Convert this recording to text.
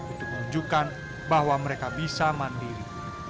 untuk menunjukkan bahwa mereka bisa mandiri